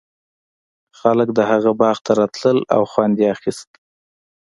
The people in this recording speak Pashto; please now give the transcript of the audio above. خلک د هغه باغ ته راتلل او خوند یې اخیست.